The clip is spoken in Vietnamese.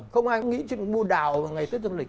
không ai nghĩ chuyện muôn đào về ngày tết dương lịch